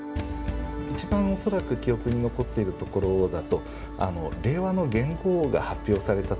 一番恐らく記憶に残っているところだと令和の元号が発表された時。